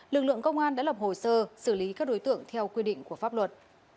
lực lượng công an đã lập hồ sơ xử lý các đối tượng theo quy định của pháp luật